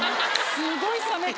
すごい冷め方。